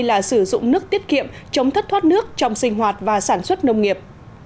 là sử dụng nước tiết kiệm chống thất thoát nước trong sinh hoạt và sản xuất nông nghiệp